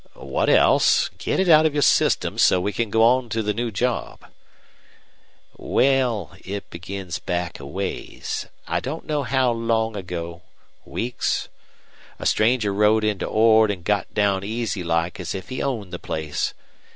"What else? Get it out of your system so we can go on to the new job." "Well, it begins back a ways. I don't know how long ago weeks a stranger rode into Ord an' got down easy like as if he owned the place.